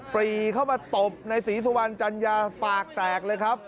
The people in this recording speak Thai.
ปรีเข้ามาตบในศรีสุวรรณจัญญาปากแตกเลยครับ